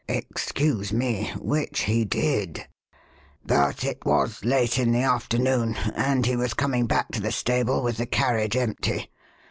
"Excuse me which he did. But it was late in the afternoon and he was coming back to the stable with the carriage empty.